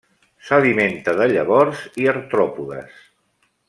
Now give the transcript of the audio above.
S'alimenta de llavors i artròpodes.